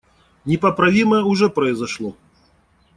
Непоправимое уже произошло.